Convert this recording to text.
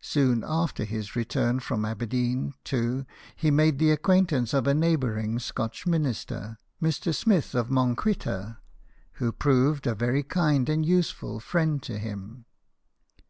Soon after his return from Aber deen, too, he made the acquaintance of a neighbouring Scotch minister, Mr. Smith of Monquhitter, who proved a very kind and use ful friend to him.